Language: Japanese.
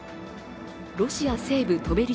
ロシア西部トベリ